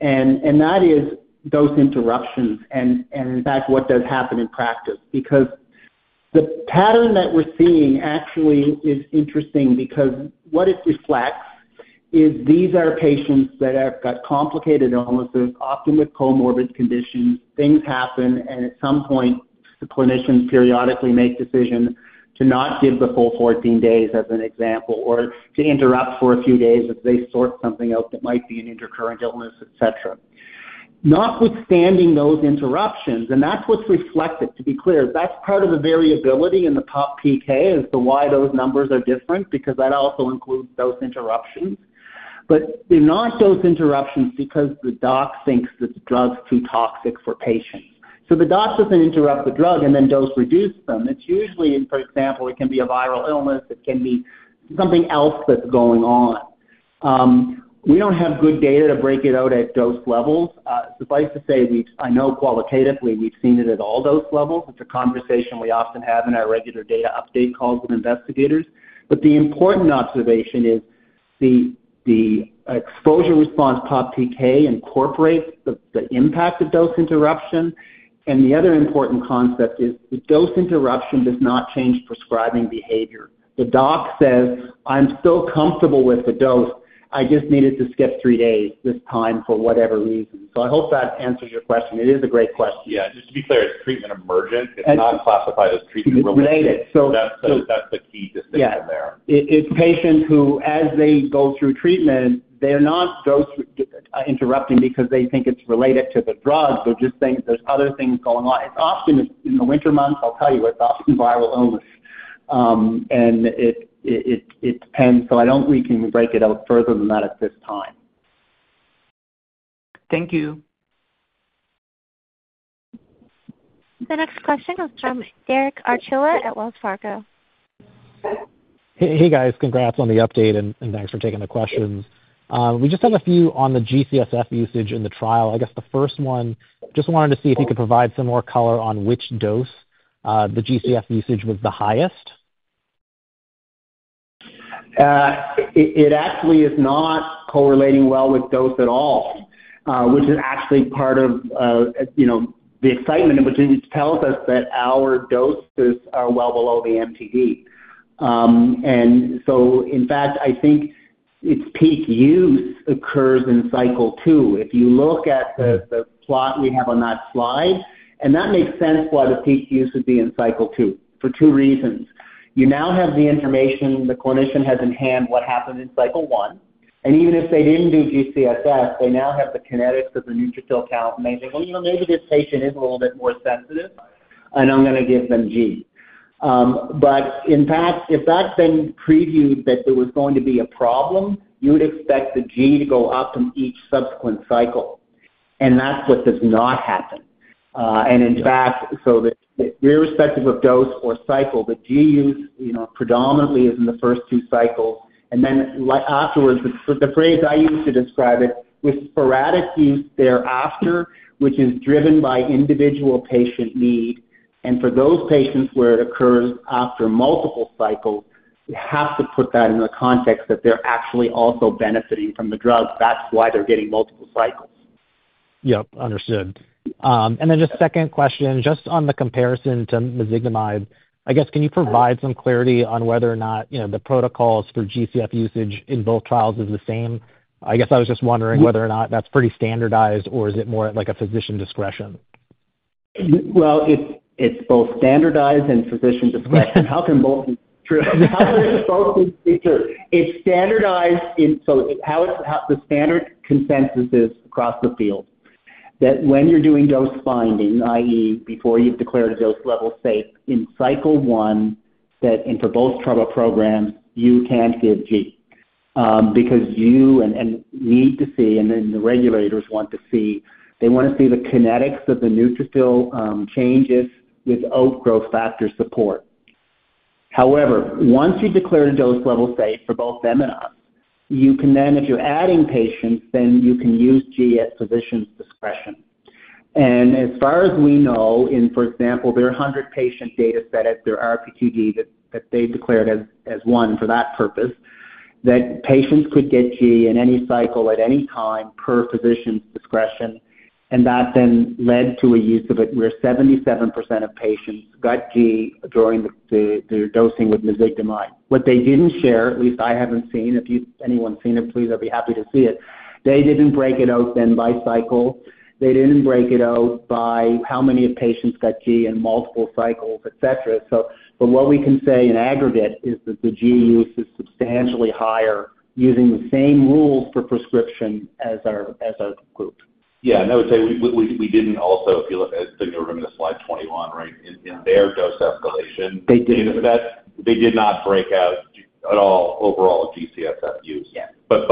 And that is dose interruptions and, in fact, what does happen in practice? Because the pattern that we're seeing actually is interesting because what it reflects is these are patients that have got complicated illnesses, often with comorbid conditions. Things happen, and at some point, the clinicians periodically make decisions to not give the full 14 days as an example or to interrupt for a few days if they sort something out that might be an intercurrent illness, etc. Notwithstanding those interruptions, and that's what's reflected, to be clear. That's part of the variability in the PopPK as to why those numbers are different because that also includes those interruptions. But they're not dose interruptions because the doc thinks that the drug's too toxic for patients. So the doc doesn't interrupt the drug and then dose-reduce them. It's usually, for example, it can be a viral illness. It can be something else that's going on. We don't have good data to break it out at dose levels. Suffice to say, I know qualitatively we've seen it at all dose levels. It's a conversation we often have in our regular data update calls with investigators. But the important observation is the exposure response PopPK incorporates the impact of dose interruption. And the other important concept is the dose interruption does not change prescribing behavior. The doc says, "I'm still comfortable with the dose. I just needed to skip three days this time for whatever reason," so I hope that answers your question. It is a great question. Yeah. Just to be clear, it's treatment emergent. It's not classified as treatment-related. So that's the key distinction there. Yeah. It's patients who, as they go through treatment, they're not dose-interrupting because they think it's related to the drug. They're just saying there's other things going on. It's often in the winter months. I'll tell you what. It's often viral illness, and it depends, so I don't think we can break it out further than that at this time. Thank you. The next question comes from Derek Archila at Wells Fargo. Hey, guys. Congrats on the update, and thanks for taking the questions. We just have a few on the G-CSF usage in the trial. I guess the first one, just wanted to see if you could provide some more color on which dose the GCSF usage was the highest. It actually is not correlating well with dose at all, which is actually part of the excitement, which tells us that our doses are well below the MTD, and so, in fact, I think its peak use occurs in cycle two. If you look at the plot we have on that slide, and that makes sense why the peak use would be in cycle two for two reasons. You now have the information the clinician has in hand what happened in cycle one. And even if they didn't do G-CSF, they now have the kinetics of the neutrophil count, and they think, "Well, maybe this patient is a little bit more sensitive, and I'm going to give them G." But in fact, if that's been previewed that there was going to be a problem, you would expect the G to go up in each subsequent cycle. And that's what does not happen. And in fact, so irrespective of dose or cycle, the G use predominantly is in the first two cycles. And then afterwards, the phrase I use to describe it was sporadic use thereafter, which is driven by individual patient need. And for those patients where it occurs after multiple cycles, you have to put that in the context that they're actually also benefiting from the drug. That's why they're getting multiple cycles. Yep. Understood. And then just second question, just on the comparison to Mezigdomide, I guess, can you provide some clarity on whether or not the protocols for G-CSF usage in both trials is the same? I guess I was just wondering whether or not that's pretty standardized or is it more like a physician discretion? Well, it's both standardized and physician discretion. How can both be true? How can both be true? It's standardized in so the standard consensus is across the field that when you're doing dose finding, i.e., before you've declared a dose level safe in cycle one and for both trial programs, you can't give G because you need to see, and then the regulators want to see they want to see the kinetics of the neutrophil changes with growth factor support. However, once you've declared a dose level safe for both them and us, you can then, if you're adding patients, then you can use G at physician's discretion. And as far as we know, for example, there are 100 patient data set at their RPTD that they declared as one for that purpose, that patients could get G in any cycle at any time per physician's discretion. And that then led to a use of it where 77% of patients got G during their dosing with Mezigdomide. What they didn't share, at least I haven't seen, if anyone's seen it, please, I'd be happy to see it, they didn't break it out then by cycle. They didn't break it out by how many of patients got G in multiple cycles, etc. But what we can say in aggregate is that the G-CSF use is substantially higher using the same rules for prescription as our group. Yeah. And I would say we didn't also, if you look at the numerator in slide 21, right, in their dose escalation. They didn't. They did not break out at all overall G-CSF use. But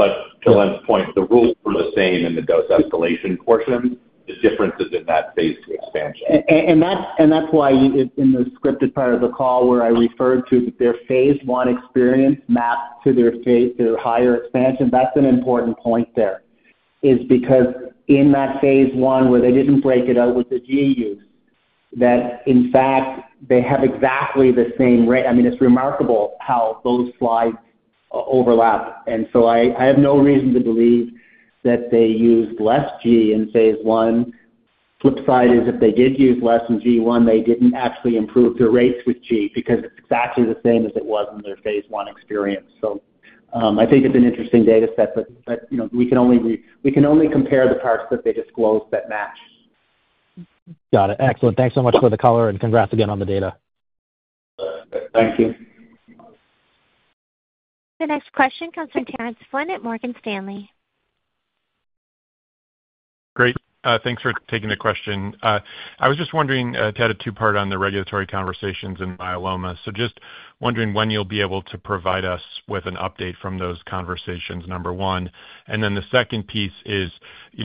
to Len's point, the rules were the same in the dose escalation portion. The difference is in that phase two expansion. And that's why in the scripted part of the call where I referred to their phase one experience mapped to their higher expansion, that's an important point there is because in that phase one where they didn't break it out with the G-CSF use, that in fact, they have exactly the same rate. I mean, it's remarkable how those slides overlap. And so I have no reason to believe that they used less G in phase I. Flip side is if they did use less in G one, they didn't actually improve their rates with G because it's exactly the same as it was in their phase I experience. So I think it's an interesting data set, but we can only compare the parts that they disclosed that match. Got it. Excellent. Thanks so much for the color and congrats again on the data. Thank you. The next question comes from Terence Flynn at Morgan Stanley. Great. Thanks for taking the question. I was just wondering to add a two-part on the regulatory conversations in myeloma. So just wondering when you'll be able to provide us with an update from those conversations, number one. And then the second piece is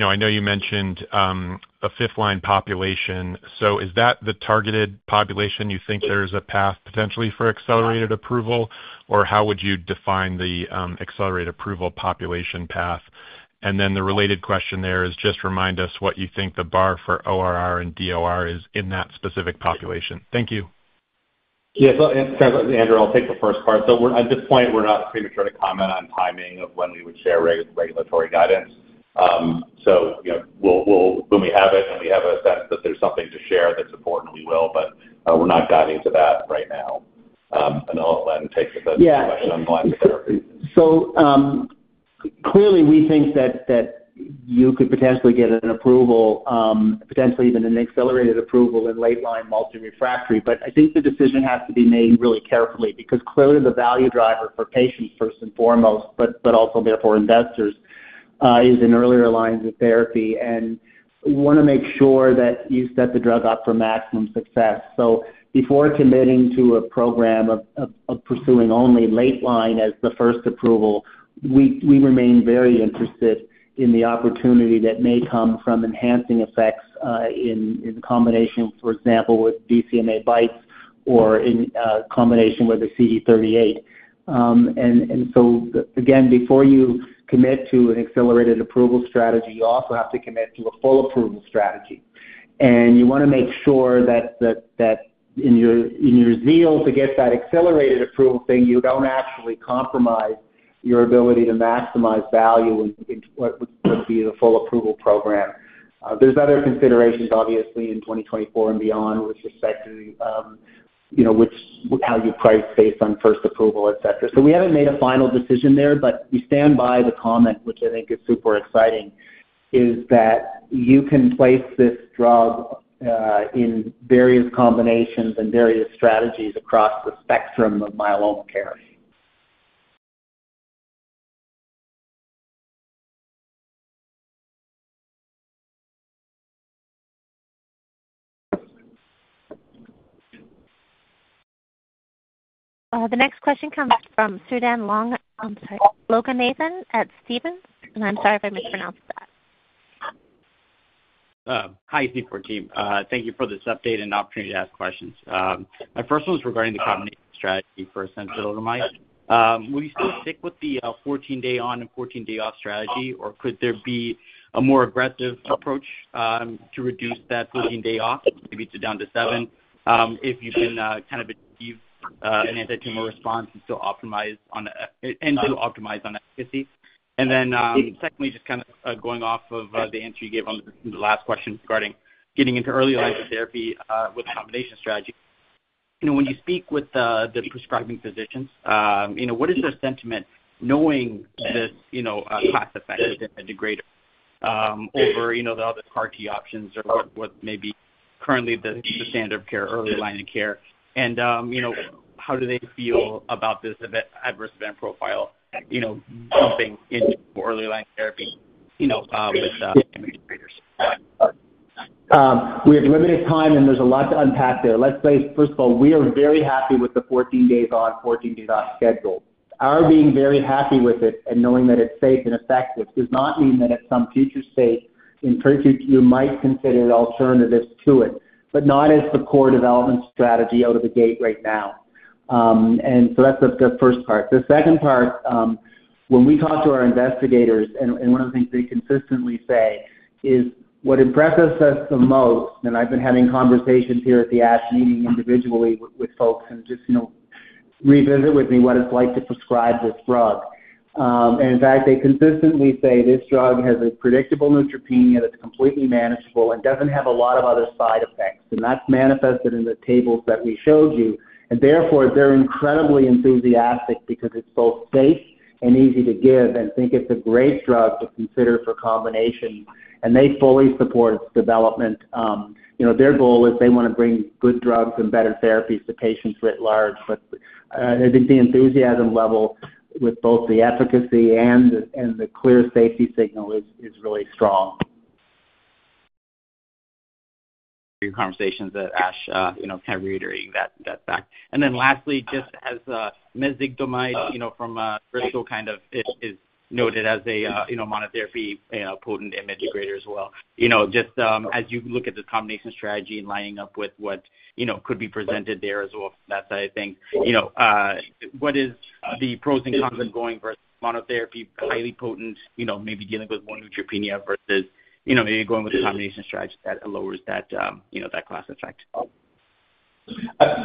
I know you mentioned a fifth-line population. Is that the targeted population you think there is a path potentially for accelerated approval, or how would you define the accelerated approval population path? And then the related question there is just remind us what you think the bar for ORR and DOR is in that specific population. Thank you. Yes, and Andrew, I'll take the first part. At this point, we're not prepared to comment on timing of when we would share regulatory guidance. When we have it and we have a sense that there's something to share that's important, we will. But we're not guiding to that right now. I'll let him take the question on the line. Clearly, we think that you could potentially get an approval, potentially even an accelerated approval in late-line multi-refractory. But I think the decision has to be made really carefully because clearly, the value driver for patients first and foremost, but also therefore investors, is in earlier lines of therapy. And we want to make sure that you set the drug up for maximum success. So before committing to a program of pursuing only late-line as the first approval, we remain very interested in the opportunity that may come from enhancing effects in combination, for example, with BCMA BiTEs or in combination with the CD38. And so again, before you commit to an accelerated approval strategy, you also have to commit to a full approval strategy. And you want to make sure that in your zeal to get that accelerated approval thing, you don't actually compromise your ability to maximize value in what would be the full approval program. There's other considerations, obviously, in 2024 and beyond with respect to how you price based on first approval, etc. So we haven't made a final decision there, but we stand by the comment, which I think is super exciting, is that you can place this drug in various combinations and various strategies across the spectrum of myeloma care. The next question comes from Sudan Long, I'm sorry, Logan Nathan at Stephens. And I'm sorry if I mispronounced that. Hi, C4 team. Thank you for this update and opportunity to ask questions. My first one is regarding the combination strategy for CFT7455. Will you still stick with the 14-day on and 14-day off strategy, or could there be a more aggressive approach to reduce that 14-day off, maybe down to seven if you can kind of achieve an anti-tumor response and still optimize on efficacy? Then secondly, just kind of going off of the answer you gave on the last question regarding getting into early lines of therapy with a combination strategy. When you speak with the prescribing physicians, what is their sentiment knowing this class effect within the degrader over the other CAR-T options or what may be currently the standard of care, early line of care? How do they feel about this adverse event profile jumping into early line therapy with administration? We have limited time, and there's a lot to unpack there. Let's say, first of all, we are very happy with the 14-days on, 14-days off schedule. Our being very happy with it and knowing that it's safe and effective does not mean that at some future stage, in particular, you might consider alternatives to it, but not as the core development strategy out of the gate right now. And so that's the first part. The second part, when we talk to our investigators, and one of the things they consistently say is what impresses us the most, and I've been having conversations here at the ASH meeting individually with folks and just revisit with me what it's like to prescribe this drug. And in fact, they consistently say this drug has a predictable neutropenia that's completely manageable and doesn't have a lot of other side effects. And that's manifested in the tables that we showed you. And therefore, they're incredibly enthusiastic because it's both safe and easy to give and think it's a great drug to consider for combination. And they fully support its development. Their goal is they want to bring good drugs and better therapies to patients writ large. But I think the enthusiasm level with both the efficacy and the clear safety signal is really strong. Through conversations at ASH, kind of reiterating that fact. And then lastly, just as Mezigdomide from Bristol kind of is noted as a monotherapy potent IMiD degrader as well. Just as you look at the combination strategy and lining up with what could be presented there as well, that side of things, what is the pros and cons of going versus monotherapy highly potent, maybe dealing with more neutropenia versus maybe going with a combination strategy that lowers that class effect?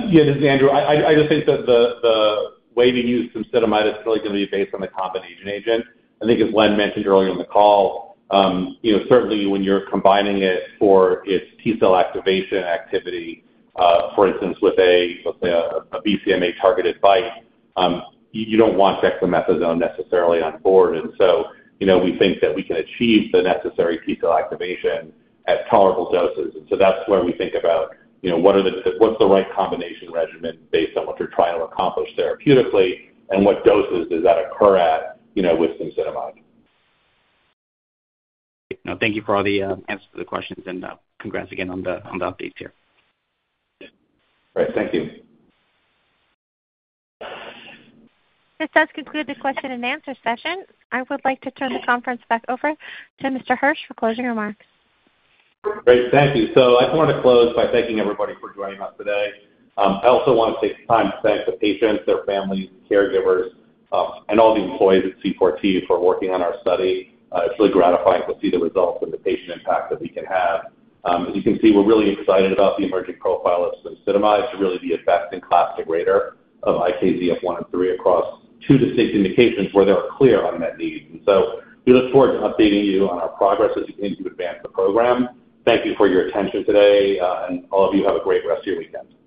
Yeah. This is Andrew. I just think that the way we use Mezigdomide is really going to be based on the combination agent. I think, as Len mentioned earlier in the call, certainly when you're combining it for its T-cell activation activity, for instance, with a BCMA-targeted BiTE, you don't want Dexamethasone necessarily on board. And so we think that we can achieve the necessary T-cell activation at tolerable doses. And so that's where we think about what's the right combination regimen based on what you're trying to accomplish therapeutically and what doses does that occur at with Mezigdomide. Thank you for all the answers to the questions, and congrats again on the updates here. Great. Thank you. This does conclude the question and answer session. I would like to turn the conference back over to Mr. Hirsch for closing remarks. Great. Thank you. So I just wanted to close by thanking everybody for joining us today. I also want to take the time to thank the patients, their families, caregivers, and all the employees at C4 team for working on our study. It's really gratifying to see the results and the patient impact that we can have. As you can see, we're really excited about the emerging profile of Semzidamide to really be a best-in-class degrader of IKZF1 and IKZF3 across two distinct indications where there are clear unmet needs. And so we look forward to updating you on our progress as we advance the program. Thank you for your attention today, and all of you have a great rest of your weekend.